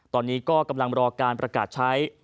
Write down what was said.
ตอนนี้ก็กำลังรอการประกาศใช้